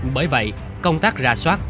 bởi vậy công tác ra soát